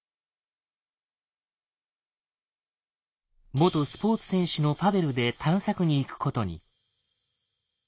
元スポーツ選手のパヴェルで探索に行くことに。